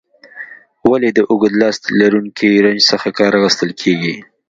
ولې د اوږد لاستي لرونکي رنچ څخه کار اخیستل کیږي؟